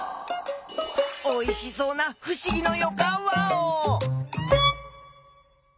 おいしそうなふしぎのよかんワオ！